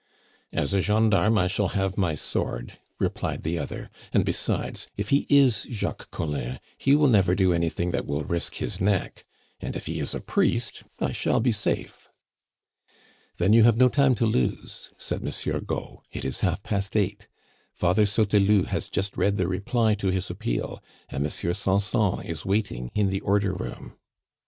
"As a gendarme I shall have my sword," replied the other; "and, besides, if he is Jacques Collin, he will never do anything that will risk his neck; and if he is a priest, I shall be safe." "Then you have no time to lose," said Monsieur Gault; "it is half past eight. Father Sauteloup has just read the reply to his appeal, and Monsieur Sanson is waiting in the order room."